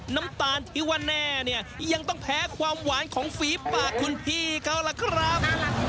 น้ำตาลที่ว่าแน่เนี่ยยังต้องแพ้ความหวานของฝีปากคุณพี่เขาล่ะครับ